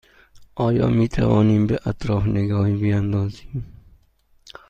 آیا می توانیم به اطراف نگاهی بیاندازیم؟